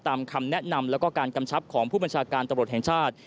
ตามคำแนะนำและการกำชับของผู้บัญชาการตะบรดแห่งชาติ